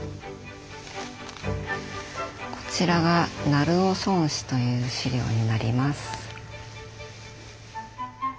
こちらが鳴尾村史という史料になります。